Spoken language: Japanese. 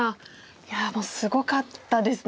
いやもうすごかったですね。